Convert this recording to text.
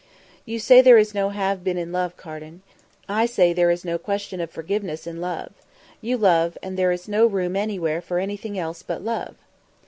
"You say there is no 'have been' in love, Carden. I say there is no question of forgiveness in love. You love, and there is no room anywhere for anything else but love."